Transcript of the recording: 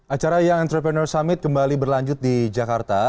acara young entrepreneur summit kembali berlanjut di jakarta